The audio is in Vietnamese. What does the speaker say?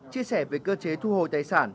chia sẻ về cơ chế thu hồi tài sản